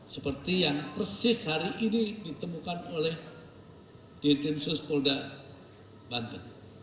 seperti yang persis hari ini ditemukan oleh dinsus polda banten